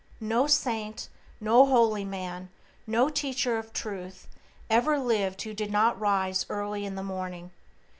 No saint, no holy man, no teacher of Truth ever lived who did not rise early in the morning.